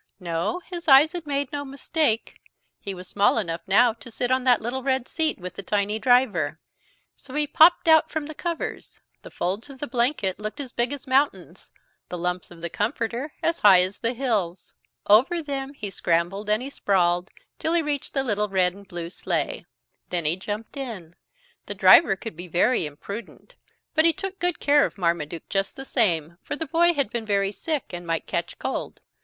No, his eyes had made no mistake. He was small enough now to sit on that little red seat with the tiny driver. So he popped out from the covers. The folds of the blanket looked as big as mountains, the lumps of the comforter as high as the hills. Over them he scrambled and he sprawled till he reached the little red and blue sleigh. Then he jumped in. The driver could be very impudent, but he took good care of Marmaduke just the same, for the boy had been very sick and might catch cold.